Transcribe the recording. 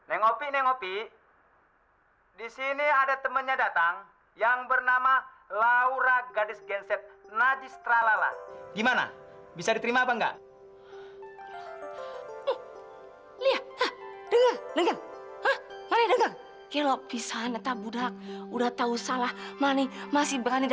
eh malah kenyataannya dia lebih kere dari gue